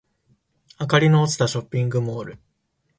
明かりの落ちたショッピングモール